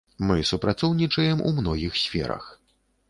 Мы супрацоўнічаем ў многіх сферах.